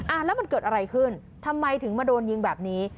แล้วมันเกิดอะไรขึ้นทำไมถึงมาโดนยิงแบบนี้